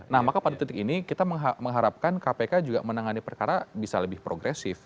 nah maka pada titik ini kita mengharapkan kpk juga menangani perkara bisa lebih progresif